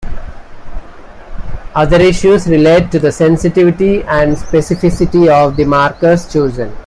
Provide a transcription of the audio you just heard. Other issues relate to the sensitivity and specificity of the markers chosen.